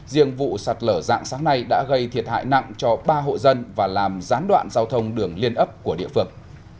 riêng vụ sạt lở dạng sáng nay đã gây thiệt hại nặng cho ba hộ dân và làm gián đoạn giao thông đường liên ấp của địa phương